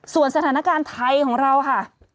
ส่วนสถานการณ์ไทยของเราค่ะ